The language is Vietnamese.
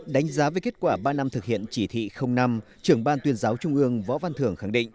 đánh giá về kết quả ba năm thực hiện chỉ thị năm trưởng ban tuyên giáo trung ương võ văn thưởng khẳng định